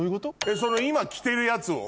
その今着てるやつを？